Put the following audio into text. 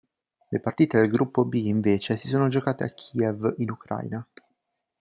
Le partite del Gruppo B invece si sono giocate a Kiev, in Ucraina.